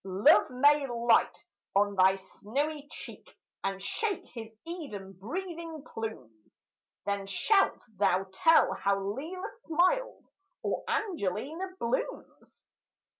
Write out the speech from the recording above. Love may light on thy snowy cheek, And shake his Eden breathing plumes; Then shalt thou tell how Lelia smiles, Or Angelina blooms.